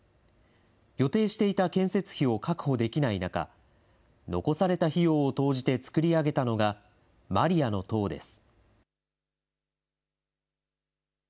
予定していた建設費を確保できない中、残された費用を投じて造り上げたのがマリアの塔です。